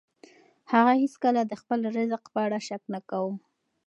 هغه هیڅکله د خپل رزق په اړه شک نه کاوه.